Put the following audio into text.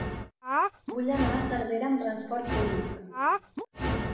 Vull anar a Cervera amb trasport públic.